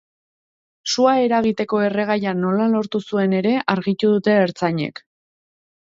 Sua eragiteko erregaia nola lortu zuen ere argitu dute ertzainek.